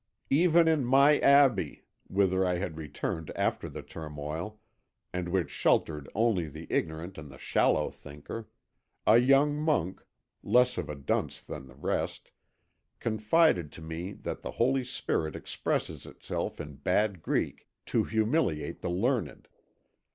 "Even in my abbey, whither I had returned after the turmoil, and which sheltered only the ignorant and the shallow thinker, a young monk, less of a dunce than the rest, confided to me that the Holy Spirit expresses itself in bad Greek to humiliate the learned.